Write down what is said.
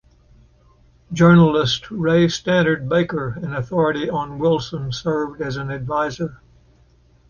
Journalist Ray Stannard Baker, an authority on Wilson served as an adviser.